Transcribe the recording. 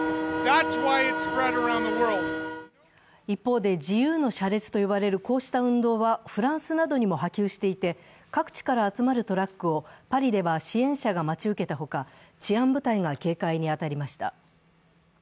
一方で、自由の車列と呼ばれるこうした運動はフランスなどにも波及していて各地から集まるトラックをパリでは支援者が待ち受けたほか治安部隊が警戒に当たりました。